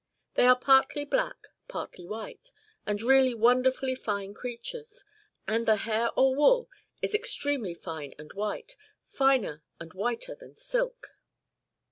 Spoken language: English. They are partly black, partly white, and really wonder fully fine creatures [and the hair or wool is extremely fine and white, finer and whiter than silk.